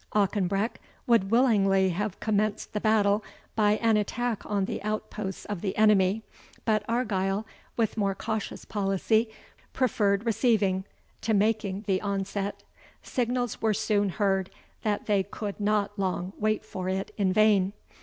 Auchenbreck would willingly have commenced the battle by an attack on the outposts of the enemy, but Argyle, with more cautious policy, preferred receiving to making the onset. Signals were soon heard, that they would not long wait for it in vain.